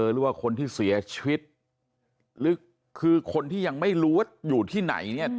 หรือว่าคนที่เสียชีวิตหรือคือคนที่ยังไม่รู้ว่าอยู่ที่ไหนเนี่ย